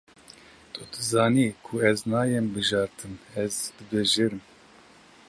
Tu dizanî ku ez nayêm bijartin, ez dibijêrim.